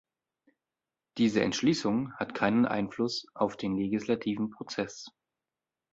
Diese Entschließung hat keinen Einfluss auf den legislativen Prozess.